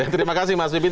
terima kasih mas wipin